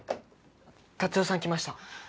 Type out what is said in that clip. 達代さん来ました。